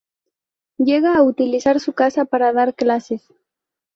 Llega a utilizar su casa para dar clases.